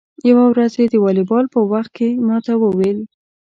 یوه ورځ یې د والیبال په وخت کې ما ته و ویل: